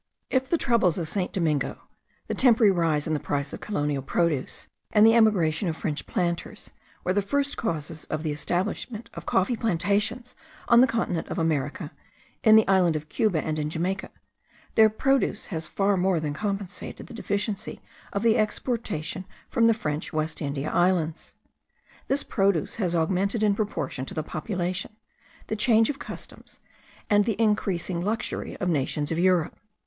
If the troubles of St. Domingo, the temporary rise in the price of colonial produce, and the emigration of French planters, were the first causes of the establishment of coffee plantations on the continent of America, in the island of Cuba, and in Jamaica; their produce has far more than compensated the deficiency of the exportation from the French West India Islands. This produce has augmented in proportion to the population, the change of customs, and the increasing luxury of the nations of Europe.